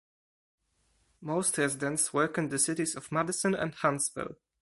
Most residents work in the cities of Madison and Huntsville.